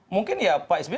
mungkin ya pak sby